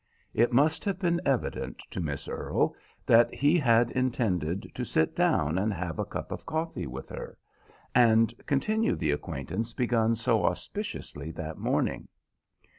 It must have been evident to Miss Earle that he had intended to sit down and have a cup of coffee with her, and continue the acquaintance begun so auspiciously that morning.